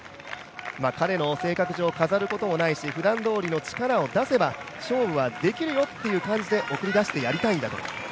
彼の性格上、飾ることもないしふだんどおりの力を出せば、勝負はできるよということで送り出してやりたいんだと。